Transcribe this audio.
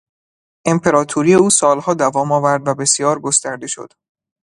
امپراتوری او سالها دوام آورد و بسیار گسترده شد.